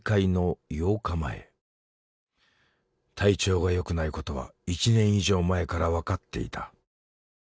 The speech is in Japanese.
体調が良くないことは１年以上前からわかっていた。